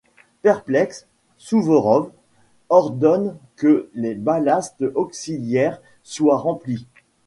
Perplexe, Souvorov ordonne que les ballasts auxiliaires soient remplis.